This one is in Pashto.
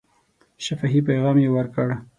شفاهي پیغام یې ورکړ.